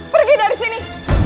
pergi dari sini